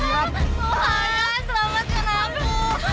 tuhan selamatkan aku